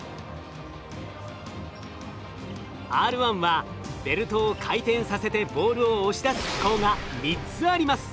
Ｒ１はベルトを回転させてボールを押し出す機構が３つあります。